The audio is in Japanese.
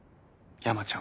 山ちゃん。